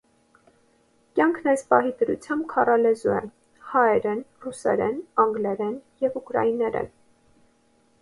Կայքն այս պահի դրությամբ քառալեզու է՝ հայերեն, ռուսերեն, անգլերեն և ուկրաիներեն։